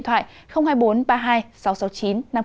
trong các chương trình sau